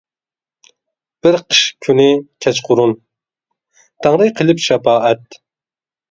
بىر قىش كۈنى كەچقۇرۇن، تەڭرى قىلىپ شاپائەت.